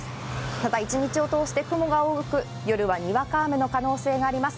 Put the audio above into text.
ただ、一日を通して雲が多く、夜はにわか雨の可能性があります。